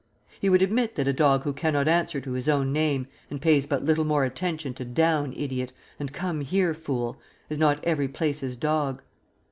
He would admit that a dog who cannot answer to his own name and pays but little more attention to "Down, idiot," and "Come here, fool," is not every place's dog.